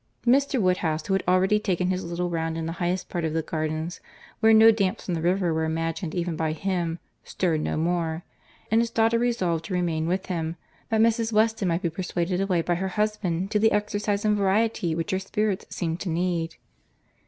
—Mr. Woodhouse, who had already taken his little round in the highest part of the gardens, where no damps from the river were imagined even by him, stirred no more; and his daughter resolved to remain with him, that Mrs. Weston might be persuaded away by her husband to the exercise and variety which her spirits seemed to need.